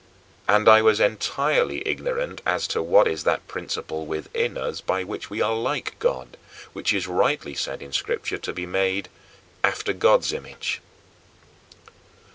And I was entirely ignorant as to what is that principle within us by which we are like God, and which is rightly said in Scripture to be made "after God's image."